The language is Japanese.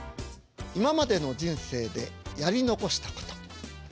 今までの人生でやり残したこと。